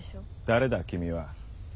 誰だ君は？